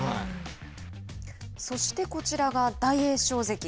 そして、こちらが大栄翔関。